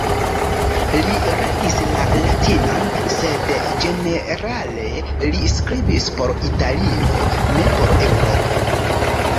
Li regis la latinan, sed ĝenerale li skribis por Italio, ne por Eŭropo.